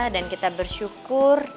dan kita bersyukur